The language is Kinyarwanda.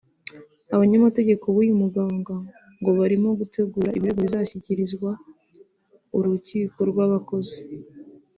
Abanyamategeko b’uyu muganga ngo barimo gutegura ibirego bizashyikirizwa urukiko rw’abakozi